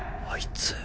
あいつ。